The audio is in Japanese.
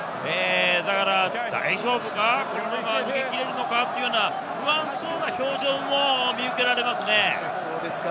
だから大丈夫か、逃げ切れるのか、不安そうな表情も見受けられますね。